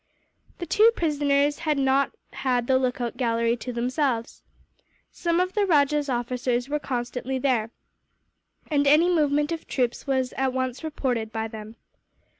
The two prisoners had not had the lookout gallery to themselves. Some of the rajah's officers were constantly there, and any movement of troops was at once reported by them.